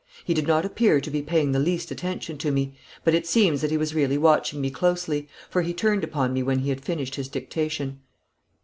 He did not appear to be paying the least attention to me, but it seems that he was really watching me closely, for he turned upon me when he had finished his dictation.